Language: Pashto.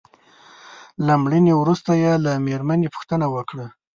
له مړینې وروسته يې له مېرمنې پوښتنه وکړه.